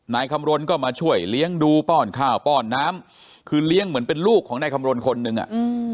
นายคำรณก็มาช่วยเลี้ยงดูป้อนข้าวป้อนน้ำคือเลี้ยงเหมือนเป็นลูกของนายคำรณคนนึงอ่ะอืม